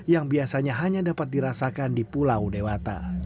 yang biasanya hanya dapat dirasakan di pulau dewata